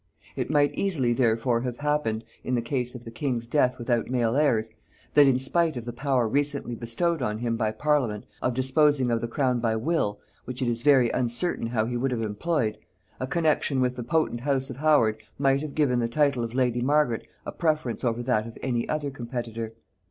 It might easily therefore have happened, in case of the king's death without male heirs, that in spite of the power recently bestowed on him by parliament of disposing of the crown by will, which it is very uncertain how he would have employed, a connexion with the potent house of Howard might have given the title of lady Margaret a preference over that of any other competitor.